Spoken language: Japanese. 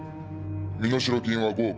身代金は５億。